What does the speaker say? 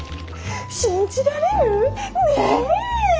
信じられる？ねえ？